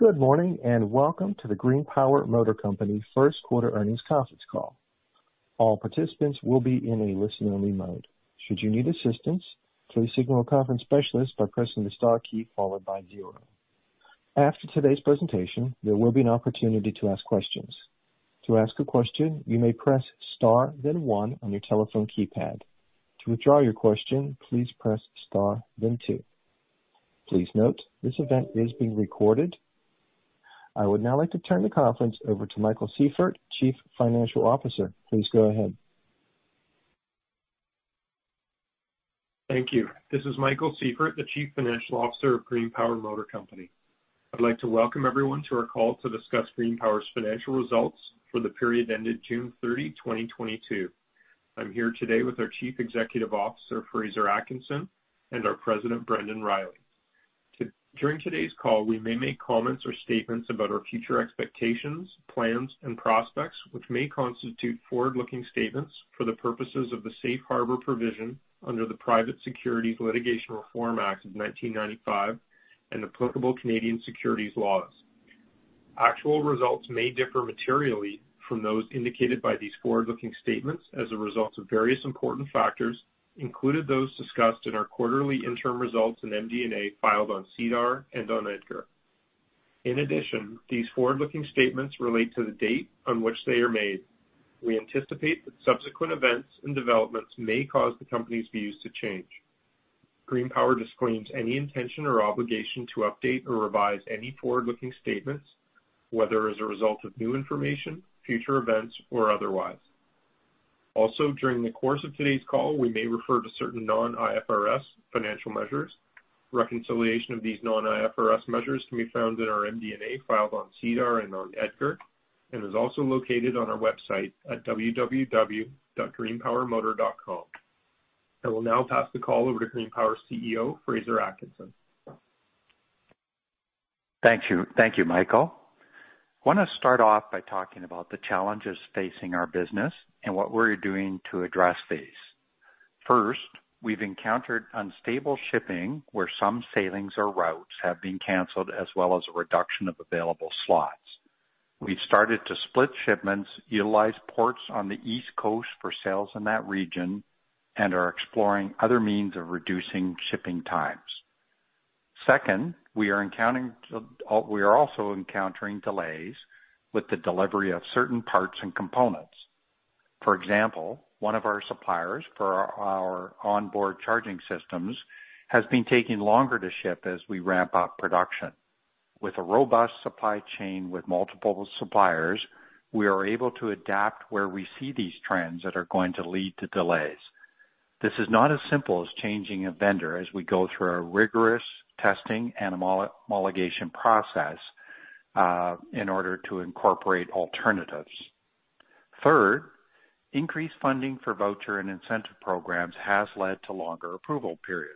Good morning, and welcome to the GreenPower Motor Company First Quarter Earnings Conference Call. All participants will be in a listen only mode. Should you need assistance, please signal a conference specialist by pressing the star key followed by zero. After today's presentation, there will be an opportunity to ask questions. To ask a question, you may press Star then one on your telephone keypad. To withdraw your question, please press Star then two. Please note, this event is being recorded. I would now like to turn the conference over to Michael Sieffert, Chief Financial Officer. Please go ahead. Thank you. This is Michael Sieffert, the Chief Financial Officer of GreenPower Motor Company. I'd like to welcome everyone to our call to discuss GreenPower's financial results for the period ended June 30, 2022. I'm here today with our Chief Executive Officer, Fraser Atkinson and our President, Brendan Riley. During today's call, we may make comments or statements about our future expectations, plans and prospects, which may constitute forward looking statements for the purposes of the Safe Harbor provision under the Private Securities Litigation Reform Act of 1995 and applicable Canadian securities laws. Actual results may differ materially from those indicated by these forward looking statements as a result of various important factors, including those discussed in our quarterly interim results and MD&A filed on SEDAR and on EDGAR. In addition, these forward looking statements relate to the date on which they are made. We anticipate that subsequent events and developments may cause the company's views to change. GreenPower disclaims any intention or obligation to update or revise any forward-looking statements, whether as a result of new information, future events or otherwise. Also, during the course of today's call, we may refer to certain non-IFRS financial measures. Reconciliation of these non-IFRS measures can be found in our MD&A filed on SEDAR and on EDGAR and is also located on our website at www.greenpowermotor.com. I will now pass the call over to GreenPower CEO, Fraser Atkinson. Thank you. Thank you, Michael. Wanna start off by talking about the challenges facing our business and what we're doing to address these. First, we've encountered unstable shipping, where some sailings or routes have been canceled, as well as a reduction of available slots. We've started to split shipments, utilize ports on the East Coast for sales in that region, and are exploring other means of reducing shipping times. Second, we are also encountering delays with the delivery of certain parts and components. For example, one of our suppliers for our onboard charging systems has been taking longer to ship as we ramp up production. With a robust supply chain with multiple suppliers, we are able to adapt where we see these trends that are going to lead to delays. This is not as simple as changing a vendor, as we go through a rigorous testing and a modification process in order to incorporate alternatives. Third, increased funding for voucher and incentive programs has led to longer approval periods.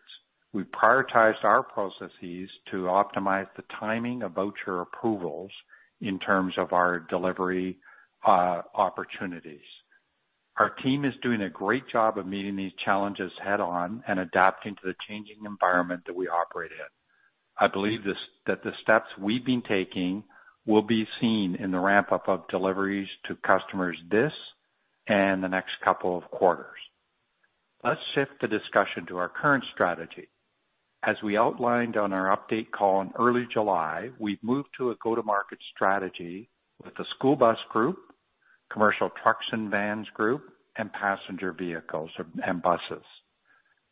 We prioritized our processes to optimize the timing of voucher approvals in terms of our delivery opportunities. Our team is doing a great job of meeting these challenges head on and adapting to the changing environment that we operate in. I believe that the steps we've been taking will be seen in the ramp up of deliveries to customers this and the next couple of quarters. Let's shift the discussion to our current strategy. As we outlined on our update call in early July, we've moved to a go to market strategy with the school bus group, commercial trucks and vans group, and passenger vehicles and buses.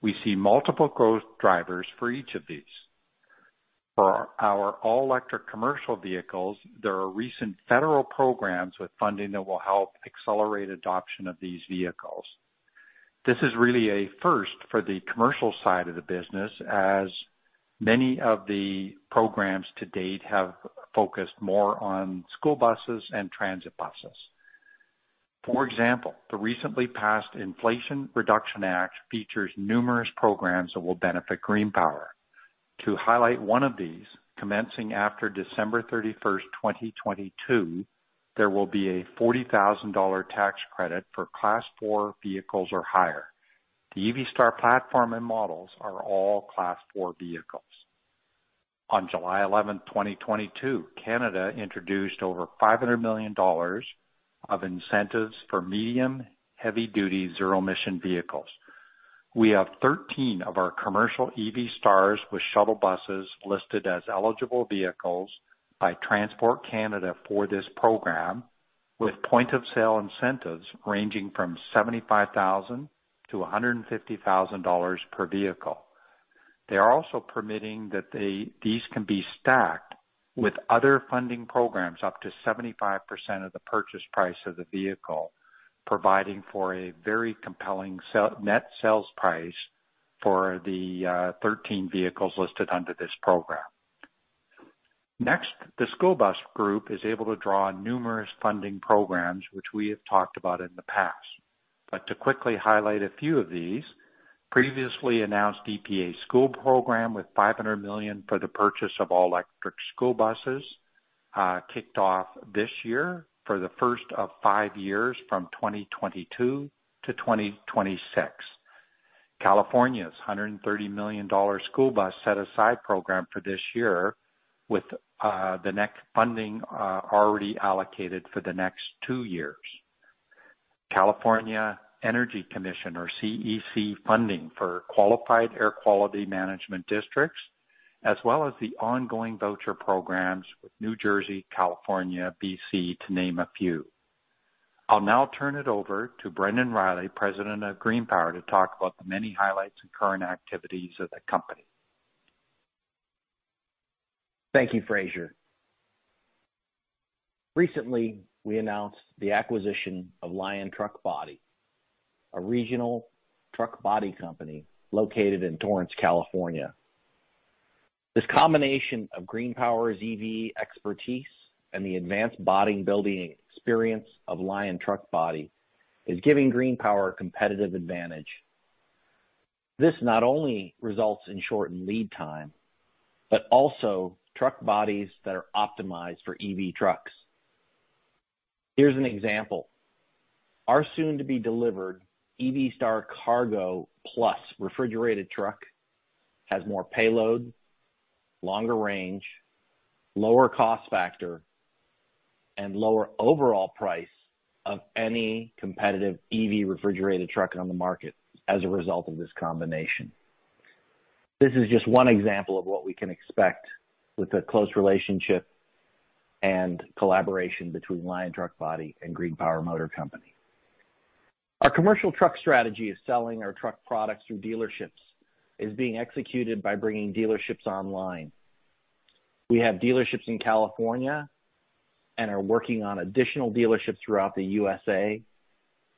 We see multiple growth drivers for each of these. For our all-electric commercial vehicles, there are recent federal programs with funding that will help accelerate adoption of these vehicles. This is really a first for the commercial side of the business, as many of the programs to date have focused more on school buses and transit buses. For example, the recently passed Inflation Reduction Act features numerous programs that will benefit GreenPower. To highlight one of these, commencing after December 31st, 2022, there will be a $40,000 tax credit for Class four vehicles or higher. The EV Star platform and models are all Class four vehicles. On July 11, 2022, Canada introduced over 500 million dollars of incentives for medium heavy duty zero emission vehicles. We have 13 of our commercial EV Stars with shuttle buses listed as eligible vehicles by Transport Canada for this program, with point of sale incentives ranging from 75,000 to 150,000 dollars per vehicle. They are also permitting that these can be stacked with other funding programs up to 75% of the purchase price of the vehicle, providing for a very compelling net sales price for the 13 vehicles listed under this program. Next, the school bus group is able to draw on numerous funding programs which we have talked about in the past. To quickly highlight a few of these, previously announced EPA school program with $500 million for the purchase of all electric school buses kicked off this year for the first of five years from 2022 to 2026. California's $130 million school bus set aside program for this year, with the next funding already allocated for the next two years. California Energy Commission, or CEC, funding for qualified air quality management districts, as well as the ongoing voucher programs with New Jersey, California, BC, to name a few. I'll now turn it over to Brendan Riley, President of GreenPower, to talk about the many highlights and current activities of the company. Thank you, Fraser. Recently, we announced the acquisition of GP Truck Body, a regional truck body company located in Torrance, California. This combination of GreenPower's EV expertise and the advanced body building experience of GP Truck Body is giving GreenPower a competitive advantage. This not only results in shortened lead time, but also truck bodies that are optimized for EV trucks. Here's an example. Our soon-to-be delivered EV Star Cargo Plus refrigerated truck has more payload, longer range, lower cost factor, and lower overall price than any competitive EV refrigerated truck on the market as a result of this combination. This is just one example of what we can expect with the close relationship and collaboration between GP Truck Body and GreenPower Motor Company. Our commercial truck strategy is selling our truck products through dealerships, is being executed by bringing dealerships online. We have dealerships in California and are working on additional dealerships throughout the USA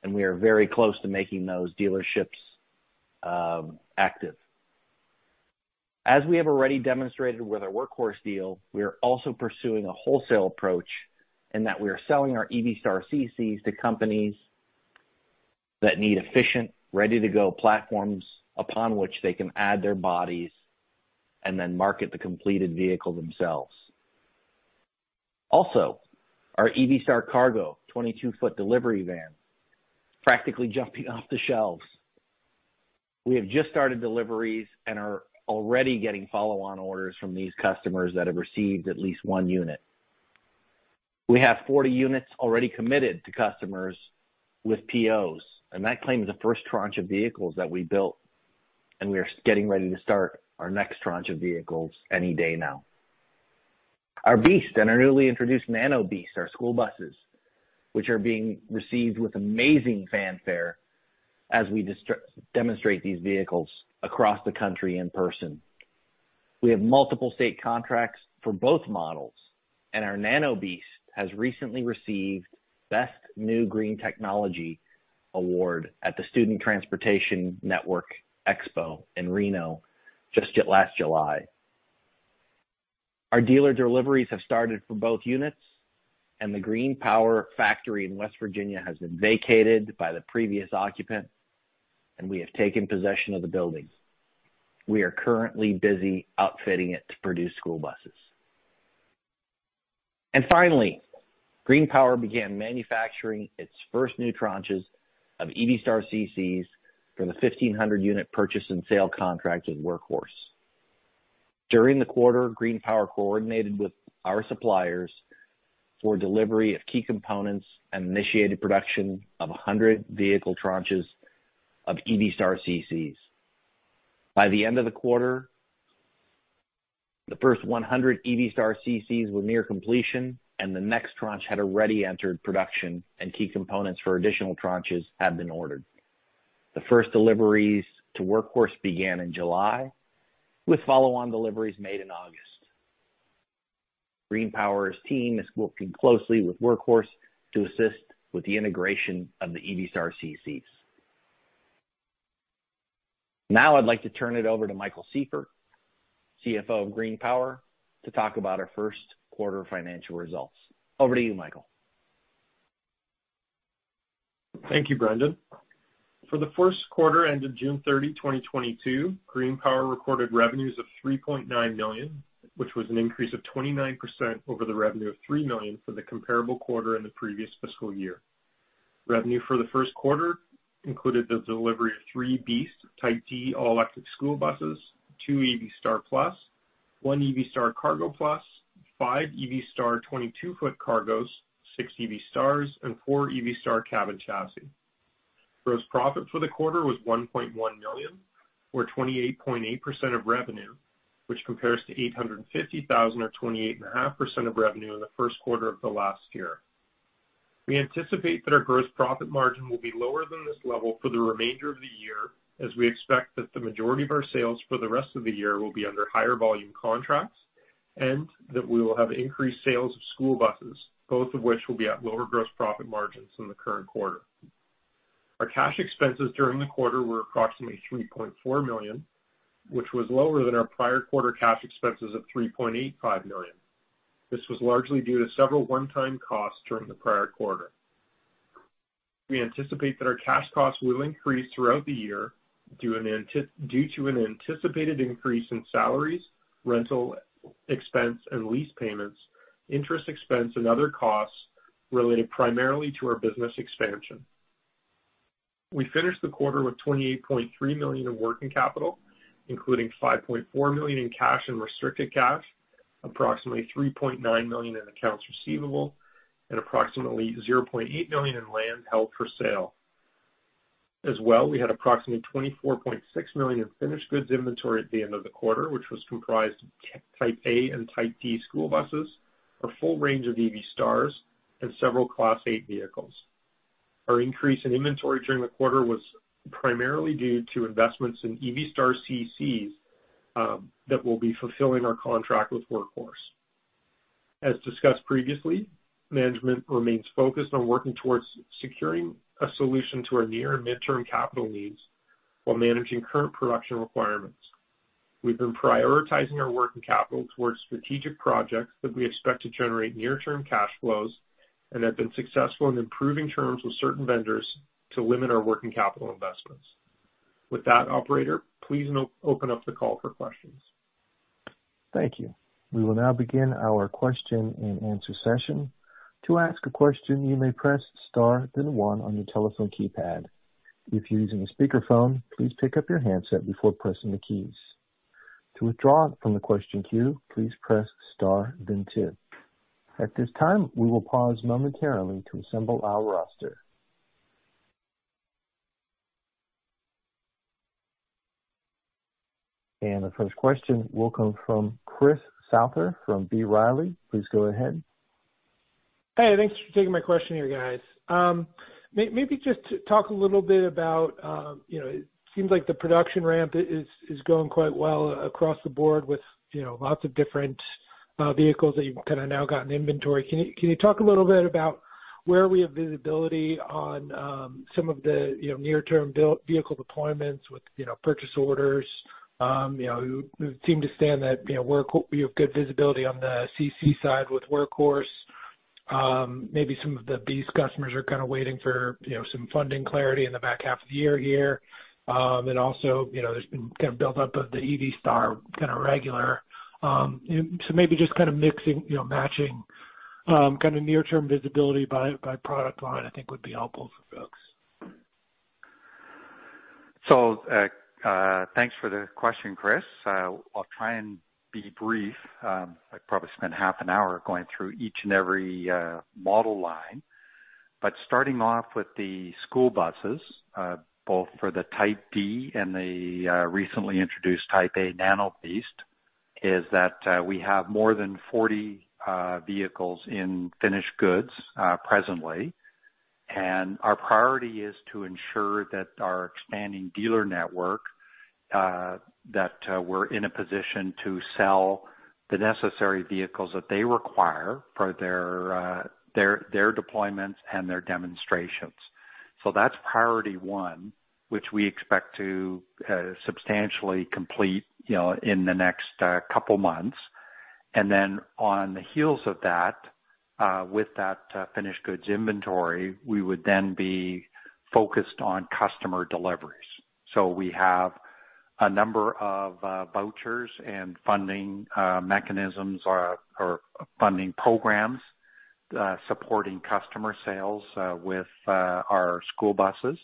and we are very close to making those dealerships active. As we have already demonstrated with our Workhorse deal, we are also pursuing a wholesale approach in that we are selling our EV Star CCs to companies that need efficient, ready to go platforms upon which they can add their bodies and then market the completed vehicle themselves. Also, our EV Star Cargo 22 foot delivery van, practically jumping off the shelves. We have just started deliveries and are already getting follow on orders from these customers that have received at least one unit. We have 40 units already committed to customers with POs, and that claim is the first tranche of vehicles that we built, and we are getting ready to start our next tranche of vehicles any day now. Our BEAST and our newly introduced Nano BEAST, our school buses, which are being received with amazing fanfare as we demonstrate these vehicles across the country in person. We have multiple state contracts for both models, and our Nano BEAST has recently received Best New Green Technology Award at the Student Transportation News Expo in Reno just last July. Our dealer deliveries have started for both units, and the GreenPower factory in West Virginia has been vacated by the previous occupant and we have taken possession of the building. We are currently busy outfitting it to produce school buses. Finally, GreenPower began manufacturing its first new tranches of EV Star CCs for the 1,500 unit purchase and sale contract with Workhorse. During the quarter, GreenPower coordinated with our suppliers for delivery of key components and initiated production of 100 vehicle tranches of EV Star CCs. By the end of the quarter, the first 100 EV Star CCs were near completion, and the next tranche had already entered production, and key components for additional tranches had been ordered. The first deliveries to Workhorse began in July, with follow on deliveries made in August. GreenPower's team is working closely with Workhorse to assist with the integration of the EV Star CCs. Now I'd like to turn it over to Michael Sieffert, CFO of GreenPower, to talk about our first quarter financial results. Over to you, Michael. Thank you, Brendan. For the first quarter ended June 30, 2022, GreenPower recorded revenues of $3.9 million, which was an increase of 29% over the revenue of $3 million for the comparable quarter in the previous fiscal year. Revenue for the first quarter included the delivery of three BEAST Type D all electric school buses, two EV Star Plus, one EV Star Cargo Plus, 5 EV Star 22-foot cargos, 6 EV Stars, and 4 EV Star Cab & Chassis. Gross profit for the quarter was $1.1 million, or 28.8% of revenue, which compares to $850,000 or 28.5% of revenue in the first quarter of the last year. We anticipate that our gross profit margin will be lower than this level for the remainder of the year, as we expect that the majority of our sales for the rest of the year will be under higher volume contracts, and that we will have increased sales of school buses, both of which will be at lower gross profit margins than the current quarter. Our cash expenses during the quarter were approximately $3.4 million, which was lower than our prior quarter cash expenses of $3.85 million. This was largely due to several one time costs during the prior quarter. We anticipate that our cash costs will increase throughout the year due to an anticipated increase in salaries, rental expense and lease payments, interest expense and other costs. Related primarily to our business expansion. We finished the quarter with $28.3 million in working capital, including $5.4 million in cash and restricted cash, approximately $3.9 million in accounts receivable, and approximately $0.8 million in land held for sale. As well, we had approximately $24.6 million in finished goods inventory at the end of the quarter, which was comprised of Type A and Type D school buses, our full range of EV Stars and several Class 8 vehicles. Our increase in inventory during the quarter was primarily due to investments in EV Star CCs that will be fulfilling our contract with Workhorse. As discussed previously, management remains focused on working towards securing a solution to our near and midterm capital needs while managing current production requirements. We've been prioritizing our working capital towards strategic projects that we expect to generate near term cash flows and have been successful in improving terms with certain vendors to limit our working capital investments. With that, operator, please open up the call for questions. Thank you. We will now begin our question and answer session. To ask a question, you may press star then one on your telephone keypad. If you're using a speakerphone, please pick up your handset before pressing the keys. To withdraw from the question queue, please press star then two. At this time, we will pause momentarily to assemble our roster. The first question will come from Chris Souther from B. Riley. Please go ahead. Hey, thanks for taking my question here, guys. Maybe just to talk a little bit about, you know, it seems like the production ramp is going quite well across the board with, you know, lots of different vehicles that you've kinda now got in inventory. Can you talk a little bit about where we have visibility on some of the, you know, near term vehicle deployments with, you know, purchase orders? You know, we seem to understand that, you know, we have good visibility on the CC side with Workhorse. Maybe some of the BEAST customers are kind of waiting for, you know, some funding clarity in the back half of the year here. Also, you know, there's been kind of build up of the EV Star kind of regular. Maybe just kind of mixing, you know, matching, kind of near term visibility by product line, I think would be helpful for folks. Thanks for the question, Chris. I'll try and be brief. I'd probably spend half an hour going through each and every model line. Starting off with the school buses, both for the Type D and the recently introduced Type A Nano BEAST, is that we have more than 40 vehicles in finished goods presently. Our priority is to ensure that our expanding dealer network that we're in a position to sell the necessary vehicles that they require for their deployments and their demonstrations. That's priority one, which we expect to substantially complete, you know, in the next couple months. Then on the heels of that, with that finished goods inventory, we would then be focused on customer deliveries. We have a number of vouchers and funding mechanisms or funding programs supporting customer sales with our school buses.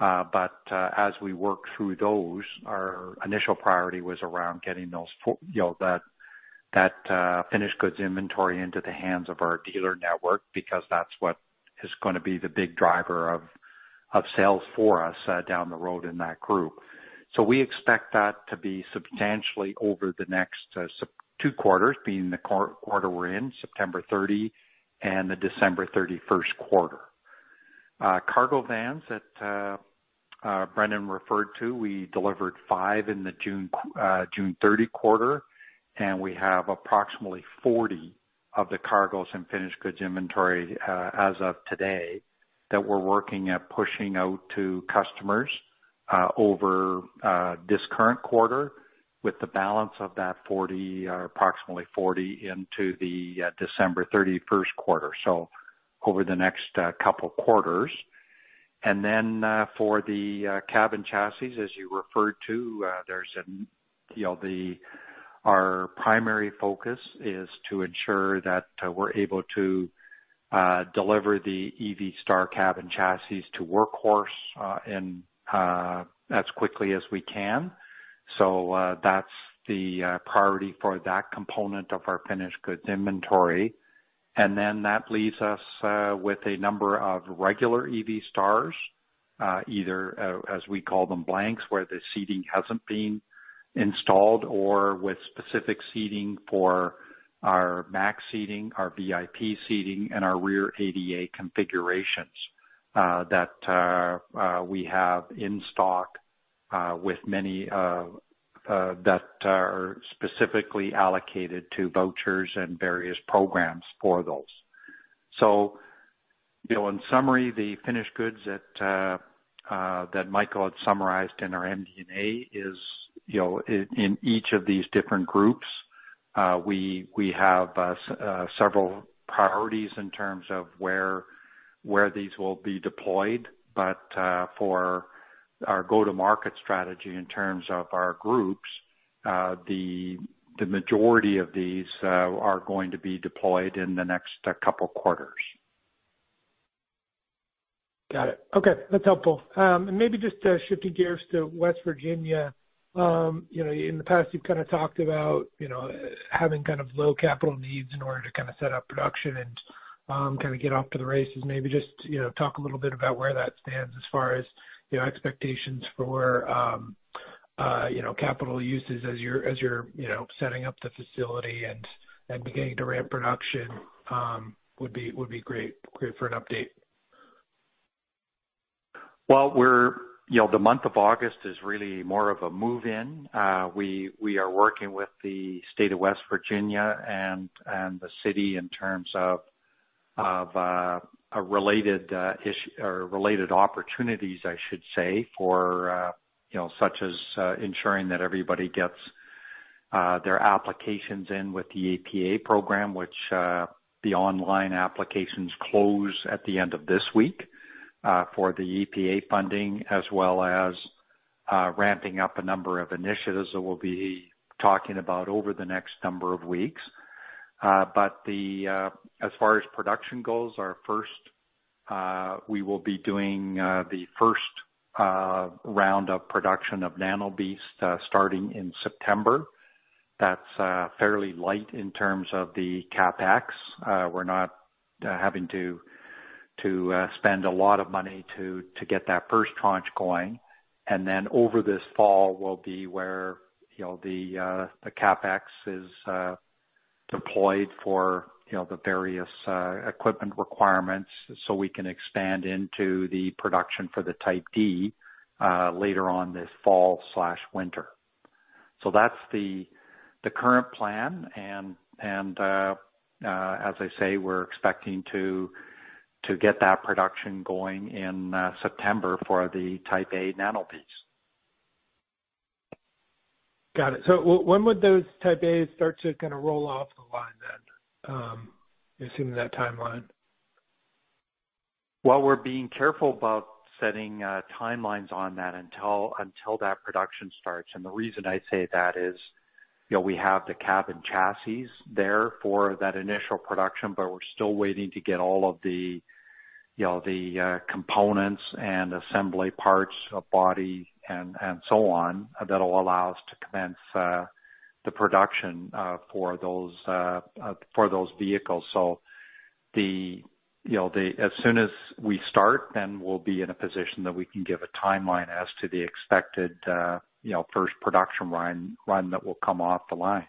As we work through those, our initial priority was around getting those, you know, that finished goods inventory into the hands of our dealer network, because that's what is gonna be the big driver of sales for us down the road in that group. We expect that to be substantially over the next two quarters being the current quarter we're in September 30 and the December 31st quarter. Cargo vans that Brendan referred to, we delivered five in the June 30 quarter, and we have approximately 40 of the cargo vans and finished goods inventory as of today that we're working at pushing out to customers over this current quarter with the balance of that 40 or approximately 40 into the December 31st quarter. Over the next couple quarters. For the cab & chassis, as you referred to, you know, our primary focus is to ensure that we're able to deliver the EV Star Cab & Chassis to Workhorse and as quickly as we can. That's the priority for that component of our finished goods inventory. That leaves us with a number of regular EV Stars, either, as we call them, blanks, where the seating hasn't been installed or with specific seating for our max seating, our VIP seating, and our rear ADA configurations, that we have in stock, with many that are specifically allocated to vouchers and various programs for those. You know, in summary, the finished goods that Michael had summarized in our MD&A is, you know, in each of these different groups, we have several priorities in terms of where these will be deployed. For our go to market strategy in terms of our groups, the majority of these are going to be deployed in the next couple quarters. Got it. Okay. That's helpful. Maybe just shifting gears to West Virginia. You know, in the past, you've kind of talked about, you know, having kind of low capital needs in order to kind of set up production and, kind of get off to the races. Maybe just, you know, talk a little bit about where that stands as far as, you know, expectations for, you know, capital uses as you're, you know, setting up the facility and beginning to ramp production, would be great. Great for an update. Well, you know, the month of August is really more of a move in. We are working with the state of West Virginia and the city in terms of a related issue or related opportunities I should say, for you know, such as ensuring that everybody gets their applications in with the EPA program, which the online applications close at the end of this week for the EPA funding, as well as ramping up a number of initiatives that we'll be talking about over the next number of weeks. As far as production goals, we will be doing the first round of production of Nano BEAST starting in September. That's fairly light in terms of the CapEx. We're not having to spend a lot of money to get that first tranche going. Then over this fall will be where, you know, the CapEx is deployed for, you know, the various equipment requirements, so we can expand into the production for the Type D later on this fall/winter. That's the current plan. As I say, we're expecting to get that production going in September for the Type A Nano BEAST. Got it. When would those Type As start to kinda roll off the line then, assuming that timeline? Well, we're being careful about setting timelines on that until that production starts. The reason I say that is, you know, we have the cab and chassis there for that initial production, but we're still waiting to get all of the, you know, the components and assembly parts of body and so on that'll allow us to commence the production for those vehicles. You know, as soon as we start, then we'll be in a position that we can give a timeline as to the expected, you know, first production line run that will come off the line.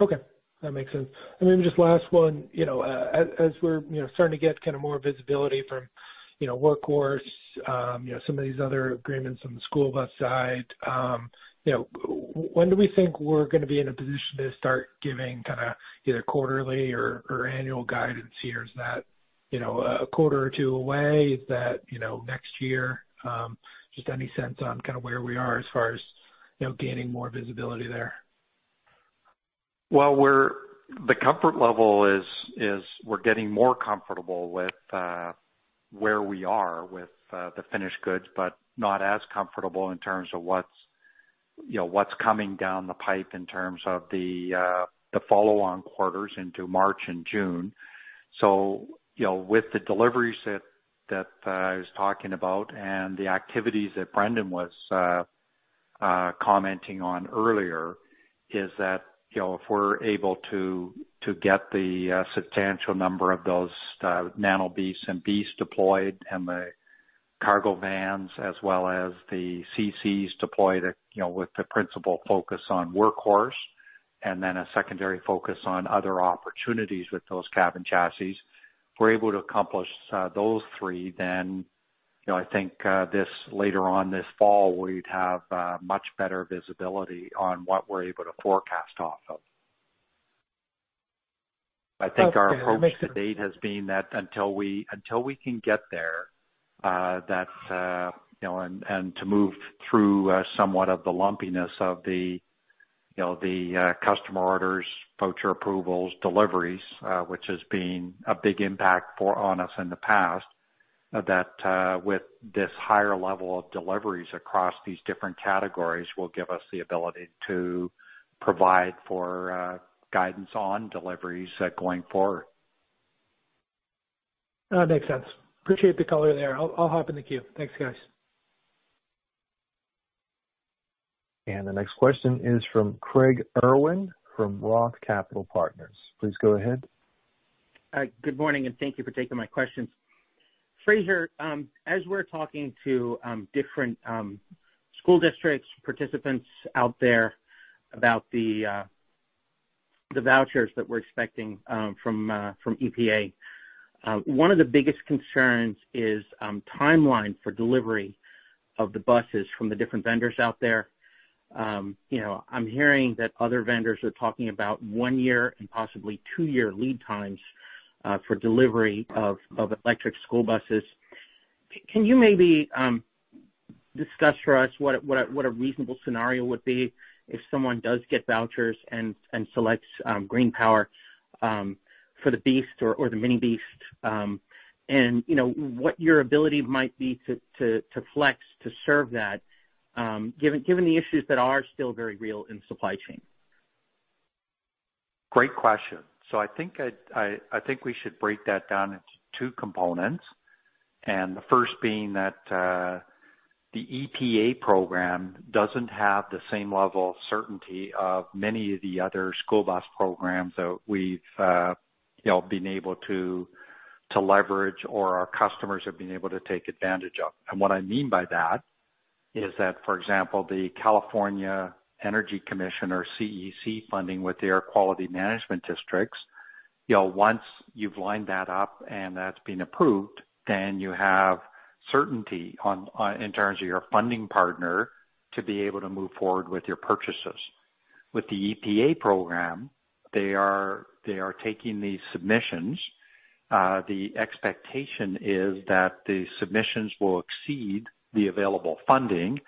Okay, that makes sense. Maybe just last one, you know, as we're, you know, starting to get kind of more visibility from, you know, Workhorse, you know, some of these other agreements on the school bus side, you know, when do we think we're gonna be in a position to start giving kinda either quarterly or annual guidance here? Is that, you know, a quarter or two away? Is that, you know, next year? Just any sense on kinda where we are as far as, you know, gaining more visibility there? The comfort level is we're getting more comfortable with where we are with the finished goods, but not as comfortable in terms of what's, you know, what's coming down the pipe in terms of the follow on quarters into March and June. You know, with the deliveries that I was talking about and the activities that Brendan was commenting on earlier is that, you know, if we're able to get the substantial number of those Nano BEASTs and BEAST deployed and the cargo vans as well as the CC's deployed, you know, with the principal focus on Workhorse and then a secondary focus on other opportunities with those cab and chassis, if we're able to accomplish those three, then, you know, I think this later on this fall, we'd have much better visibility on what we're able to forecast off of. Okay. I think our approach to date has been that until we can get there, you know, and to move through somewhat of the lumpiness of the you know the customer orders, voucher approvals, deliveries, which has been a big impact on us in the past, that with this higher level of deliveries across these different categories will give us the ability to provide guidance on deliveries going forward. No, it makes sense. Appreciate the color there. I'll hop in the queue. Thanks, guys. The next question is from Craig Irwin from Roth Capital Partners. Please go ahead. Good morning, and thank you for taking my questions. Fraser, as we're talking to different school districts, participants out there about the vouchers that we're expecting from EPA, one of the biggest concerns is timeline for delivery of the buses from the different vendors out there. You know, I'm hearing that other vendors are talking about one year and possibly two year lead times for delivery of electric school buses. Can you maybe discuss for us what a reasonable scenario would be if someone does get vouchers and selects GreenPower for the BEAST or the Mini BEAST? You know, what your ability might be to flex to serve that given the issues that are still very real in supply chain? Great question. I think we should break that down into two components. The first being that the EPA program doesn't have the same level of certainty of many of the other school bus programs that we've you know been able to leverage or our customers have been able to take advantage of. What I mean by that is that for example the California Energy Commission or CEC funding with the air quality management districts you know once you've lined that up and that's been approved then you have certainty on in terms of your funding partner to be able to move forward with your purchases. With the EPA program they are taking these submissions. The expectation is that the submissions will exceed the available funding.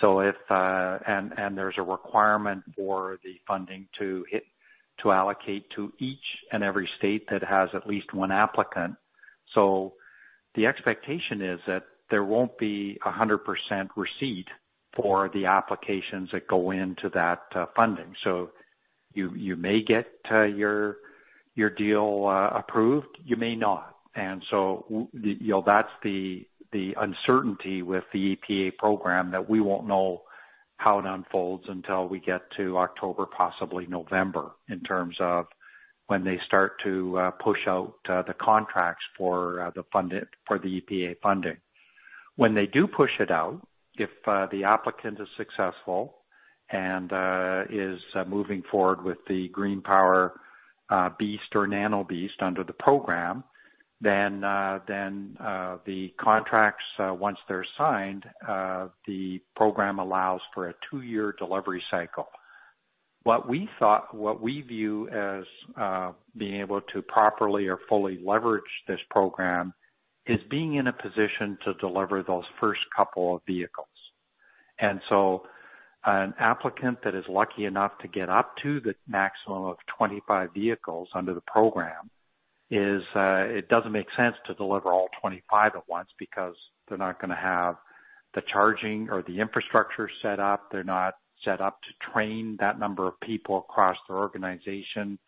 If There's a requirement for the funding to hit, to allocate to each and every state that has at least one applicant. The expectation is that there won't be 100% receipt for the applications that go into that funding. You may get your deal approved, you may not. You know, that's the uncertainty with the EPA program that we won't know how it unfolds until we get to October, possibly November, in terms of when they start to push out the contracts for the funding, for the EPA funding. When they do push it out, if the applicant is successful and is moving forward with the GreenPower BEAST or Nano BEAST under the program, then the contracts once they're signed, the program allows for a two year delivery cycle. What we thought, what we view as being able to properly or fully leverage this program is being in a position to deliver those first couple of vehicles. An applicant that is lucky enough to get up to the maximum of 25 vehicles under the program is, it doesn't make sense to deliver all 25 at once because they're not gonna have the charging or the infrastructure set up. They're not set up to train that number of people across their organization.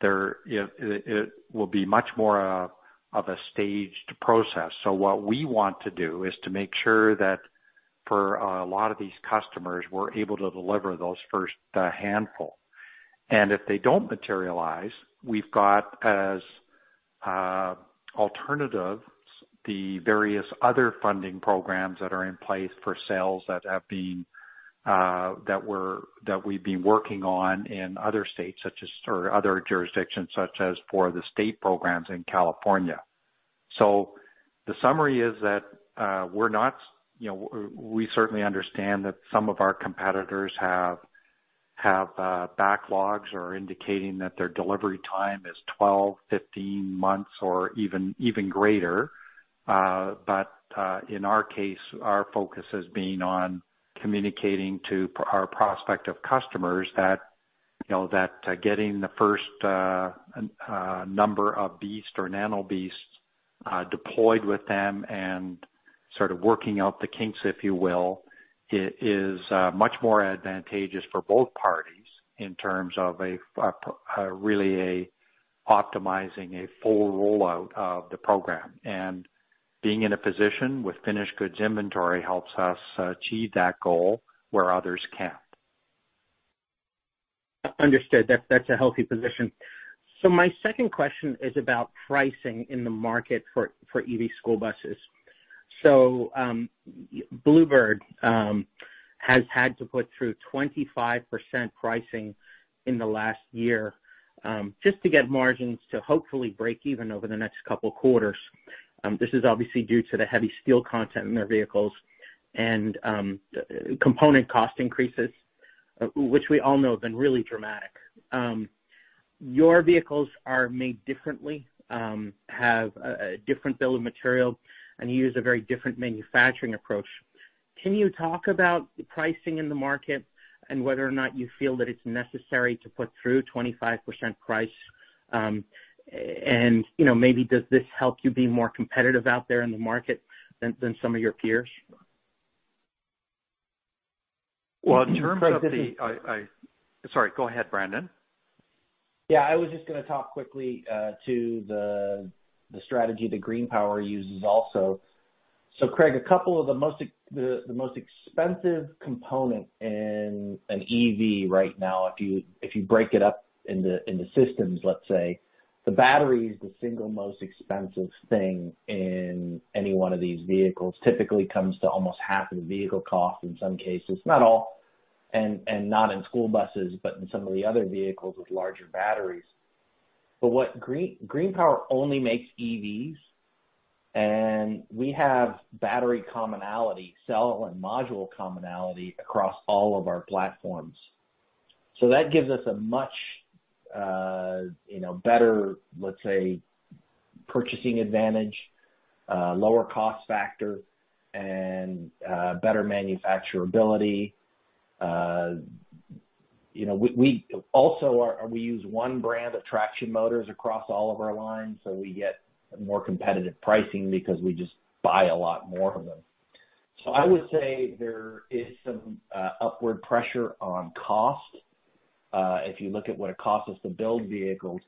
It will be much more of a staged process. What we want to do is to make sure that for a lot of these customers, we're able to deliver those first handful. If they don't materialize, we've got as alternatives, the various other funding programs that are in place for sales that we've been working on in other states such as, or other jurisdictions such as for the state programs in California. The summary is that, we're not. You know, we certainly understand that some of our competitors have backlogs or indicating that their delivery time is 12-15 months or even greater. In our case, our focus has been on communicating to our prospective customers that, you know, getting the first number of BEAST or Nano BEASTs deployed with them and sort of working out the kinks, if you will, is much more advantageous for both parties in terms of really optimizing a full rollout of the program. Being in a position with finished goods inventory helps us achieve that goal where others can't. Understood. That's a healthy position. My second question is about pricing in the market for EV school buses. Blue Bird has had to put through 25% pricing in the last year, just to get margins to hopefully break even over the next couple quarters. This is obviously due to the heavy steel content in their vehicles and component cost increases, which we all know have been really dramatic. Your vehicles are made differently, have a different bill of material, and you use a very different manufacturing approach. Can you talk about the pricing in the market and whether or not you feel that it's necessary to put through 25% price? You know, maybe does this help you be more competitive out there in the market than some of your peers? Well, in terms of the So this is- Sorry, go ahead, Brendan. Yeah. I was just gonna talk quickly about the strategy that GreenPower uses also. Craig, the most expensive component in an EV right now, if you break it up into systems let's say, the battery is the single most expensive thing in any one of these vehicles. Typically comes to almost half of the vehicle cost in some cases. Not all and not in school buses, but in some of the other vehicles with larger batteries. GreenPower only makes EVs, and we have battery commonality, cell and module commonality across all of our platforms. That gives us a much you know better, let's say, purchasing advantage, lower cost factor and better manufacturability. You know, we use one brand of traction motors across all of our lines, so we get more competitive pricing because we just buy a lot more of them. I would say there is some upward pressure on cost if you look at what it costs us to build vehicles.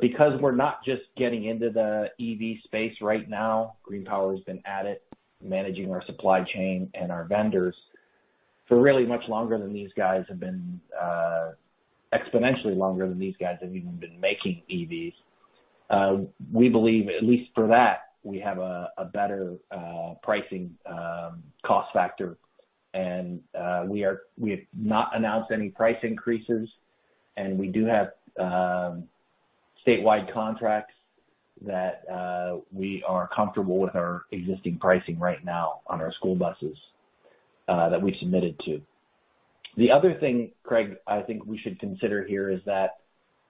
Because we're not just getting into the EV space right now, GreenPower has been at it, managing our supply chain and our vendors for really much longer than these guys have been, exponentially longer than these guys have even been making EVs. We believe at least for that, we have a better pricing cost factor. We have not announced any price increases, and we do have statewide contracts that we are comfortable with our existing pricing right now on our school buses that we've submitted to. The other thing, Craig, I think we should consider here is that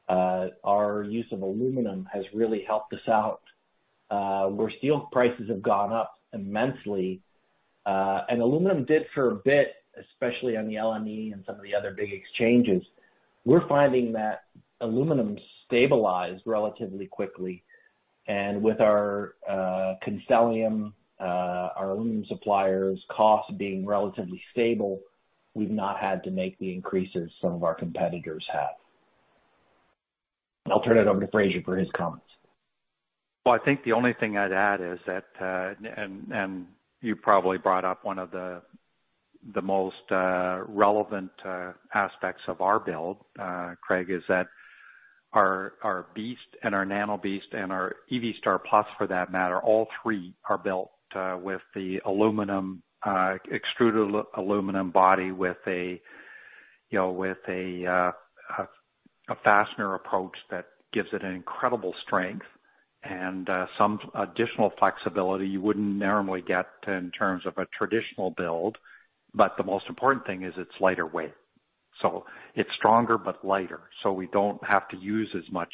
our use of aluminum has really helped us out where steel prices have gone up immensely. Aluminum did for a bit, especially on the LME and some of the other big exchanges. We're finding that aluminum stabilized relatively quickly. With our Constellium, our aluminum suppliers cost being relatively stable, we've not had to make the increases some of our competitors have. I'll turn it over to Fraser for his comments. Well, I think the only thing I'd add is that and you probably brought up one of the most relevant aspects of our build, Craig, is that our BEAST and our Nano BEAST and our EV Star Plus, for that matter, all three are built with the aluminum extruded aluminum body with a you know with a fastener approach that gives it an incredible strength and some additional flexibility you wouldn't normally get in terms of a traditional build. The most important thing is it's lighter weight, so it's stronger but lighter, so we don't have to use as much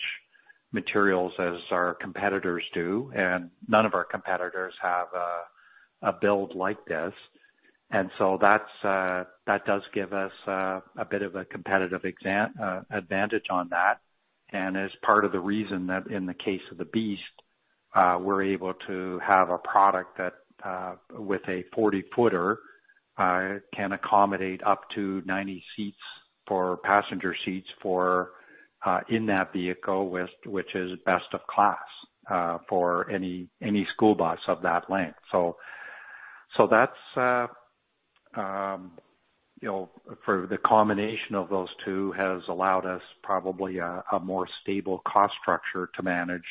materials as our competitors do. None of our competitors have a build like this. That does give us a bit of a competitive advantage on that. Is part of the reason that in the case of the BEAST, we're able to have a product that, with a 40 footer, can accommodate up to 90 passenger seats in that vehicle, which is best of class for any school bus of that length. That's, you know, for the combination of those two has allowed us probably a more stable cost structure to manage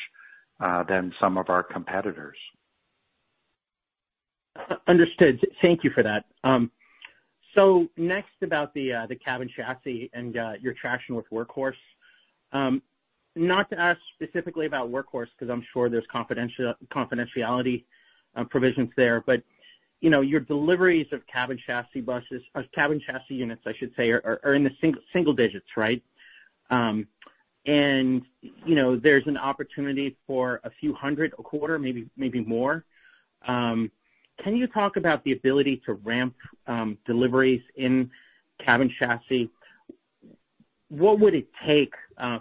than some of our competitors. Understood. Thank you for that. Next about the cab chassis and your traction with Workhorse. Not to ask specifically about Workhorse because I'm sure there's confidentiality provisions there, but you know, your deliveries of cab chassis buses or cab chassis units, I should say, are in the single digits, right? You know, there's an opportunity for a few hundred a quarter, maybe more. Can you talk about the ability to ramp deliveries in cab chassis? What would it take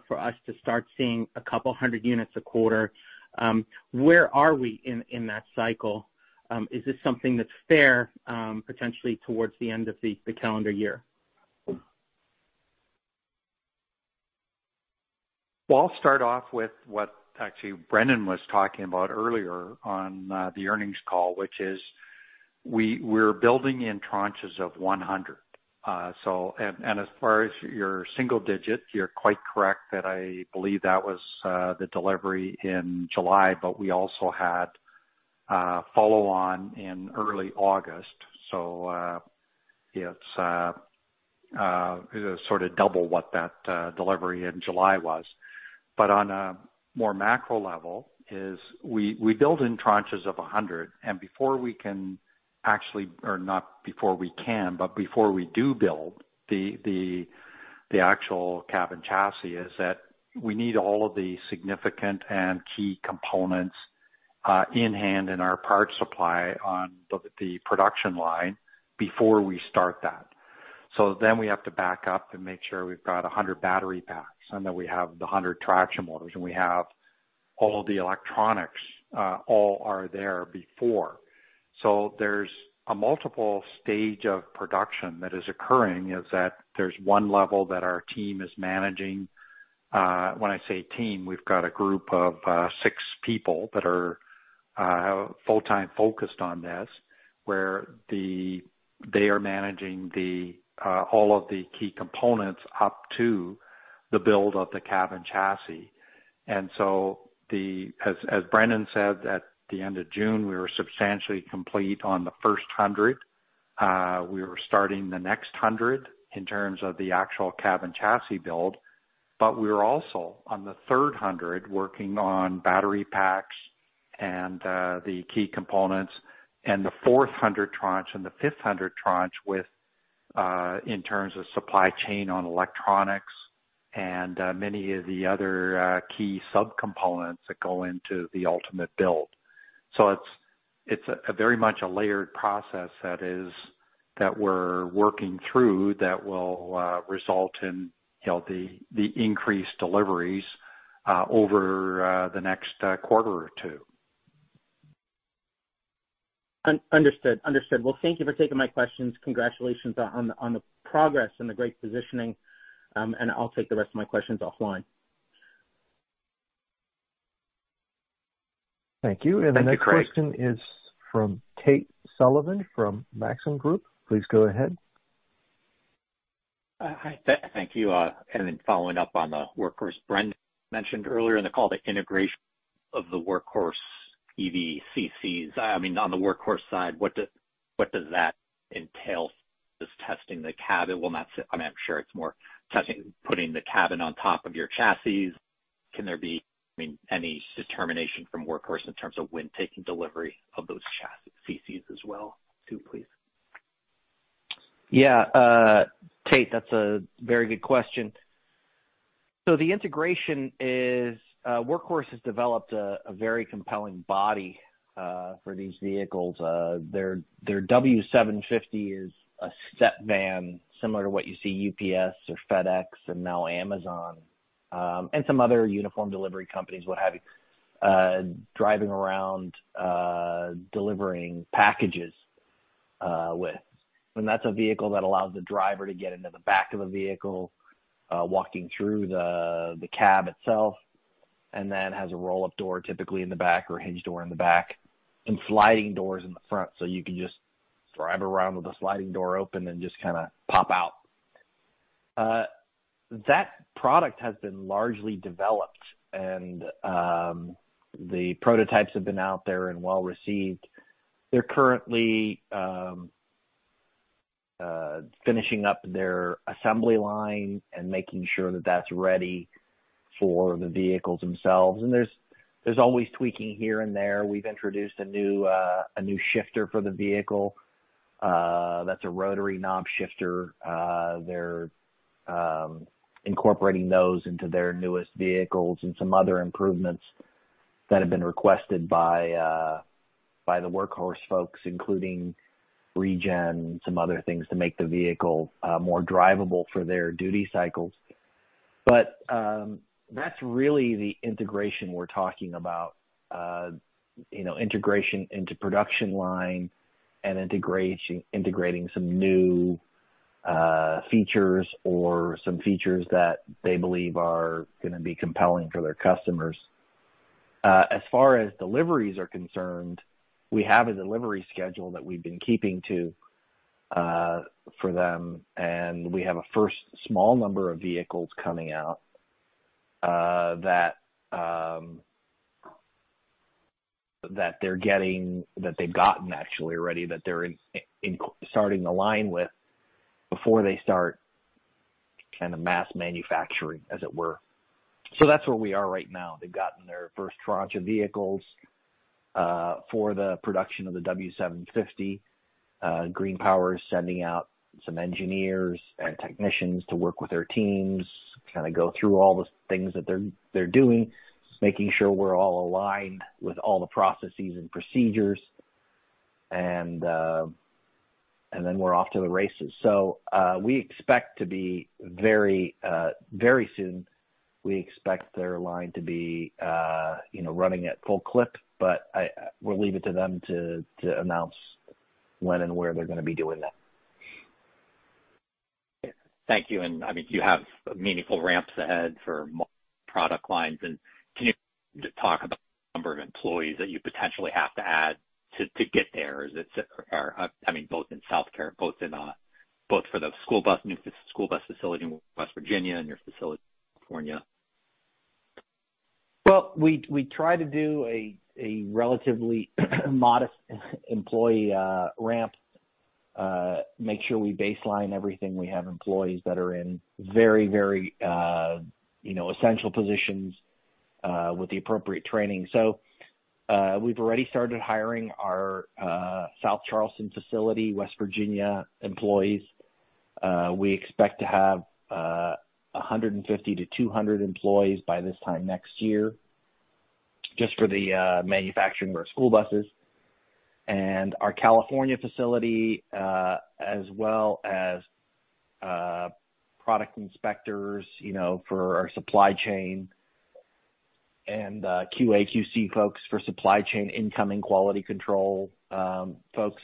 for us to start seeing a couple hundred units a quarter? Where are we in that cycle? Is this something that's fair potentially towards the end of the calendar year? Well, I'll start off with what actually Brendan was talking about earlier on, the earnings call, which is we're building in tranches of 100. So, and as far as your single digit, you're quite correct that I believe that was the delivery in July, but we also had follow on in early August. It's sort of double what that delivery in July was. But on a more macro level, we build in tranches of 100. Before we can actually or not before we can, but before we do build the actual cab and chassis, that we need all of the significant and key components in hand in our parts supply on the production line before we start that. We have to back up and make sure we've got 100 battery packs and that we have the 100 traction motors and we have all the electronics, all are there before. There's a multiple stage of production that is occurring is that there's one level that our team is managing. When I say team, we've got a group of six people that are full-time focused on this, they are managing all of the key components up to the build of the cab and chassis. As Brendan said, at the end of June, we were substantially complete on the first 100. We were starting the next 100 in terms of the actual cab and chassis build. We were also on the 300 working on battery packs and the key components and the 400 tranche and the 500 tranche with, in terms of supply chain on electronics and many of the other key subcomponents that go into the ultimate build. It's a very much a layered process that is That we're working through that will result in, you know, the increased deliveries over the next quarter or two. Understood. Well, thank you for taking my questions. Congratulations on the progress and the great positioning. I'll take the rest of my questions offline. Thank you. Thank you, Craig. The next question is from Tate Sullivan from Maxim Group. Please go ahead. Hi. Thank you. Following up on the Workhorse Brendan mentioned earlier in the call, the integration of the Workhorse EV CCs. I mean, on the Workhorse side, what does that entail? Just testing the cab? I mean, I'm sure it's more testing, putting the cabin on top of your chassis. Can there be, I mean, any determination from Workhorse in terms of when taking delivery of those chassis CCs as well too, please? Yeah. Tate, that's a very good question. The integration is, Workhorse has developed a very compelling body for these vehicles. Their W750 is a step van similar to what you see UPS or FedEx and now Amazon, and some other uniform delivery companies, what have you, driving around, delivering packages, with. That's a vehicle that allows the driver to get into the back of the vehicle, walking through the cab itself, and then has a roll-up door typically in the back or a hinge door in the back and sliding doors in the front. You can just drive around with a sliding door open and just kinda pop out. That product has been largely developed and, the prototypes have been out there and well received. They're currently finishing up their assembly line and making sure that that's ready for the vehicles themselves. There's always tweaking here and there. We've introduced a new shifter for the vehicle. That's a rotary knob shifter. They're incorporating those into their newest vehicles and some other improvements that have been requested by the Workhorse folks, including regen and some other things to make the vehicle more drivable for their duty cycles. That's really the integration we're talking about. You know, integration into production line and integrating some new features or some features that they believe are gonna be compelling for their customers. As far as deliveries are concerned, we have a delivery schedule that we've been keeping to, for them, and we have a first small number of vehicles coming out, that they're getting, that they've gotten actually already that they're in starting the line with before they start kinda mass manufacturing, as it were. That's where we are right now. They've gotten their first tranche of vehicles, for the production of the W750. GreenPower is sending out some engineers and technicians to work with their teams, kinda go through all the things that they're doing, making sure we're all aligned with all the processes and procedures, then we're off to the races. We expect their line to be, you know, running at full clip, but we'll leave it to them to announce when and where they're gonna be doing that. Thank you. I mean, you have meaningful ramps ahead for product lines. Can you talk about the number of employees that you potentially have to add to get there? I mean, both for the school bus, new school bus facility in West Virginia and your facility in California. Well, we try to do a relatively modest employee ramp, make sure we baseline everything. We have employees that are in very you know essential positions with the appropriate training. We've already started hiring our South Charleston facility, West Virginia employees. We expect to have 150-200 employees by this time next year just for the manufacturing of our school buses. Our California facility as well as product inspectors, you know, for our supply chain and QA, QC folks for supply chain, incoming quality control folks.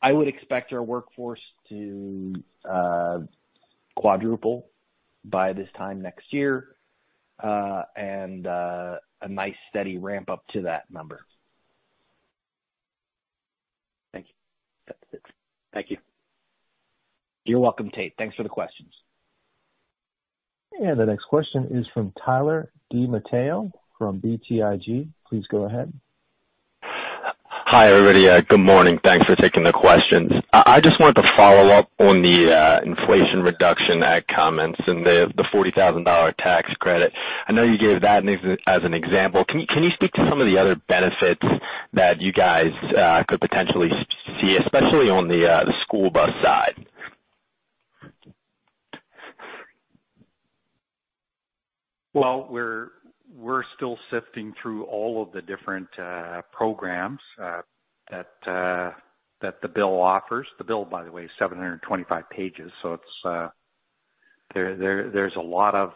I would expect our workforce to quadruple by this time next year and a nice steady ramp up to that number. Thank you. That's it. Thank you. You're welcome, Tate. Thanks for the questions. The next question is from Tyler DiMatteo from BTIG. Please go ahead. Hi, everybody. Good morning. Thanks for taking the questions. I just wanted to follow up on the Inflation Reduction Act comments and the $40,000 tax credit. I know you gave that as an example. Can you speak to some of the other benefits that you guys could potentially see, especially on the school bus side? Well, we're still sifting through all of the different programs that the bill offers. The bill, by the way, is 725 pages. There's a lot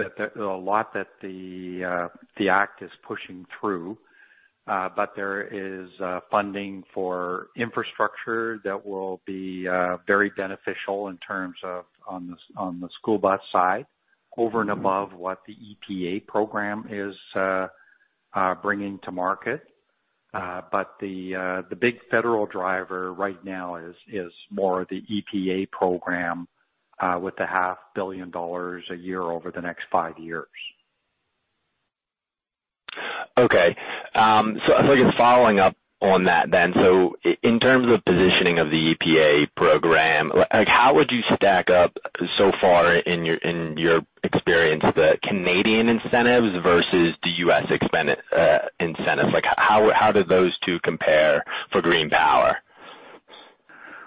that the act is pushing through. There is funding for infrastructure that will be very beneficial in terms of on the school bus side over and above what the EPA program is bringing to market. The big federal driver right now is more of the EPA program with the half billion dollars a year over the next five years. I guess following up on that then, in terms of positioning of the EPA program, like, how would you stack up so far in your experience the Canadian incentives versus the US incentives? Like how do those two compare for GreenPower?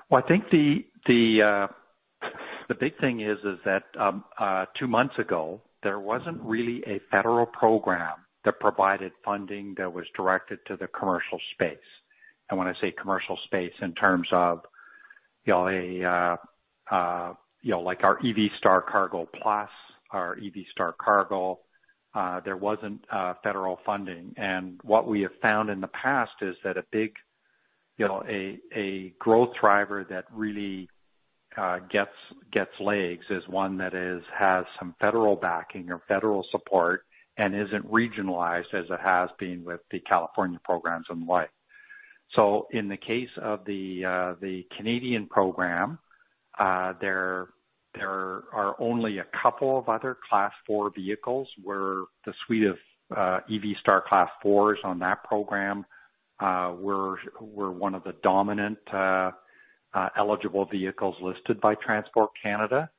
Well, I think the big thing is that two months ago there wasn't really a federal program that provided funding that was directed to the commercial space. When I say commercial space in terms of, you know, like our EV Star Cargo Plus, our EV Star Cargo, there wasn't federal funding. What we have found in the past is that a big, you know, growth driver that really gets legs is one that is, has some federal backing or federal support and isn't regionalized as it has been with the California programs and the like. In the case of the Canadian program, there are only a couple of other Class four vehicles where the suite of EV Star Class 4s on that program, we're one of the dominant eligible vehicles listed by Transport Canada.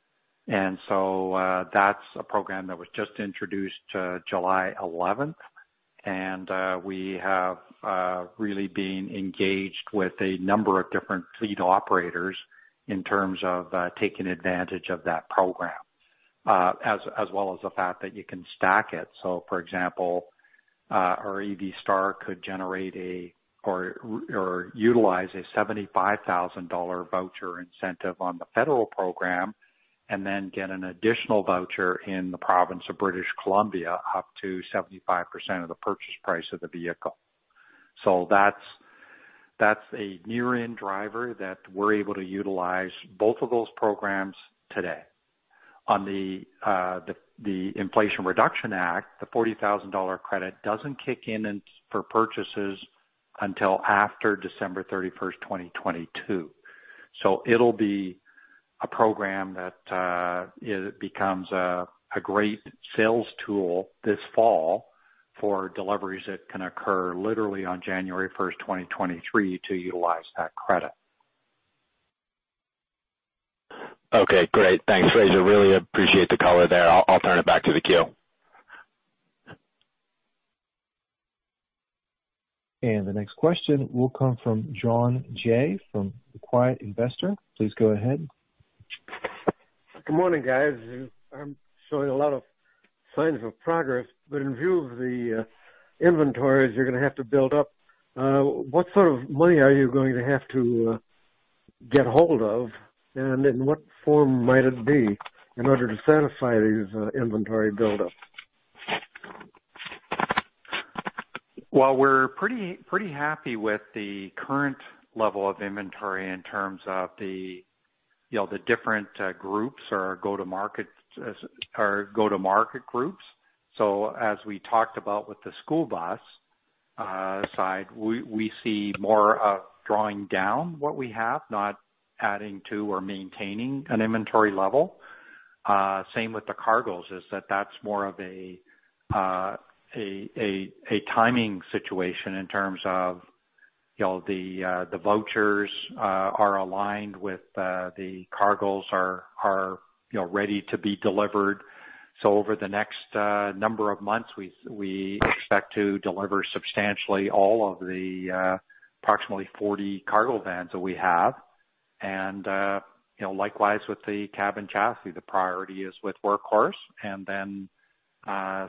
That's a program that was just introduced July eleventh. We have really been engaged with a number of different fleet operators in terms of taking advantage of that program, as well as the fact that you can stack it. For example, our EV Star could utilize a 75,000 dollar voucher incentive on the federal program and then get an additional voucher in the province of British Columbia, up to 75% of the purchase price of the vehicle. That's a near term driver that we're able to utilize both of those programs today. On the Inflation Reduction Act, the $40,000 credit doesn't kick in for purchases until after December 31, 2022. It'll be a program that becomes a great sales tool this fall for deliveries that can occur literally on January 1st, 2023 to utilize that credit. Okay, great. Thanks, Fraser. Really appreciate the color there. I'll turn it back to the queue. The next question will come from John Jacquemin from The Quiet Investor. Please go ahead. Good morning, guys. I'm showing a lot of signs of progress, but in view of the inventories you're gonna have to build up, what sort of money are you going to have to get hold of? In what form might it be in order to satisfy these inventory buildup? Well, we're pretty happy with the current level of inventory in terms of the, you know, the different groups or go to market groups. As we talked about with the school bus side, we see more of drawing down what we have, not adding to or maintaining an inventory level. Same with the cargos. That's more of a timing situation in terms of, you know, the vouchers are aligned with the cargos. The cargos are, you know, ready to be delivered. Over the next number of months, we expect to deliver substantially all of the approximately 40 cargo vans that we have. You know, likewise with the cab and chassis, the priority is with Workhorse.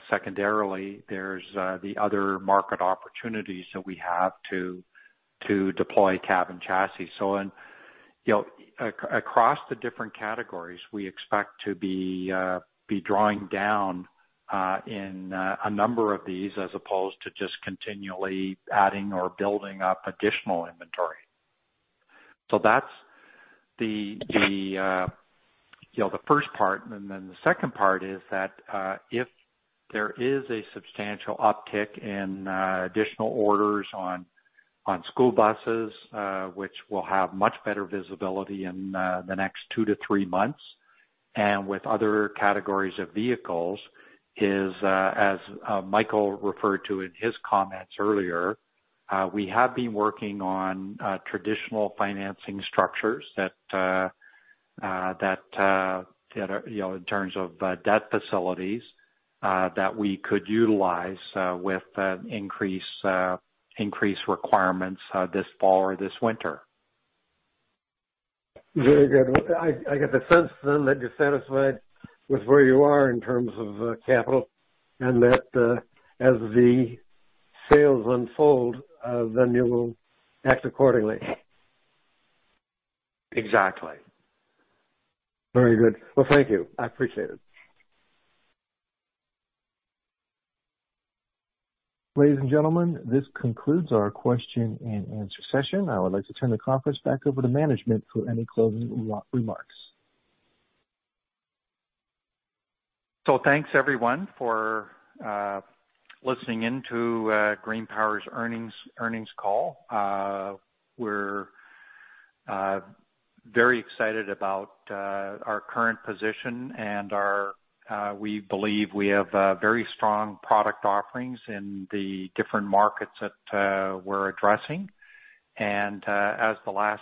Secondarily, there's the other market opportunities that we have to deploy cab and chassis. You know, across the different categories, we expect to be drawing down in a number of these as opposed to just continually adding or building up additional inventory. That's the first part. The second part is that if there is a substantial uptick in additional orders on school buses, which we'll have much better visibility in the next two to three months and with other categories of vehicles, as Michael referred to in his comments earlier, we have been working on traditional financing structures that are, you know, in terms of debt facilities that we could utilize with increased requirements this fall or this winter. Very good. I get the sense that you're satisfied with where you are in terms of capital and that as the sales unfold then you will act accordingly. Exactly. Very good. Well, thank you. I appreciate it. Ladies and gentlemen, this concludes our question and answer session. I would like to turn the conference back over to management for any closing remarks. Thanks everyone for listening in to GreenPower's earnings call. We're very excited about our current position and we believe we have very strong product offerings in the different markets that we're addressing. As the last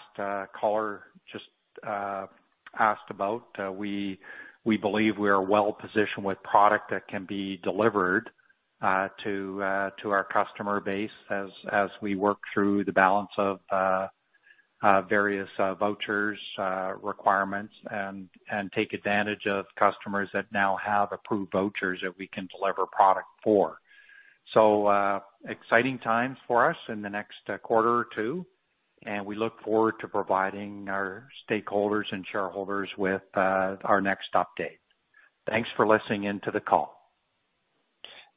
caller just asked about, we believe we are well positioned with product that can be delivered to our customer base as we work through the balance of various vouchers requirements and take advantage of customers that now have approved vouchers that we can deliver product for. Exciting times for us in the next quarter or two, and we look forward to providing our stakeholders and shareholders with our next update. Thanks for listening in to the call.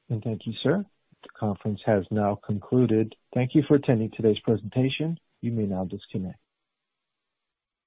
Thank you, sir. The conference has now concluded. Thank you for attending today's presentation. You may now disconnect.